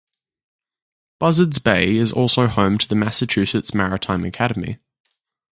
Buzzards Bay is also home to the Massachusetts Maritime Academy.